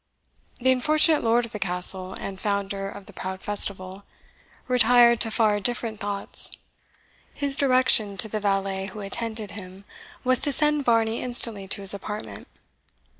The unfortunate Lord of the Castle, and founder of the proud festival, retired to far different thoughts. His direction to the valet who attended him was to send Varney instantly to his apartment.